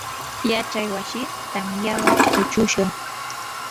yachay wasii tamyawan huchushqam.